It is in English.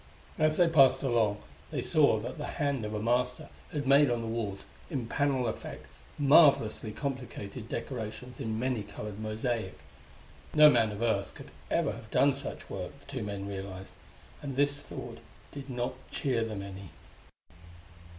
As they passed along they saw that the hand of a master had made on the walls, in panel effect, marvelously complicated decorations in many colored mosaic. No man of Earth could ever have done such work, the two men realized and this thought did not cheer them any.